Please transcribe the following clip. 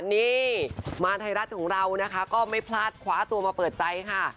นี่มาไทยรัฐของเรานะคะก็ไม่พลาดคว้าตัวมาเปิดใจค่ะ